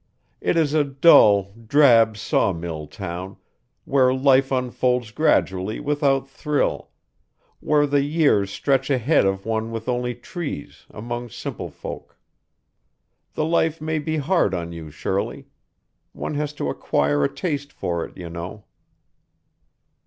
It is a dull, drab sawmill town, where life unfolds gradually without thrill where the years stretch ahead of one with only trees, among simple folk. The life may be hard on you, Shirley; one has to acquire a taste for it, you know."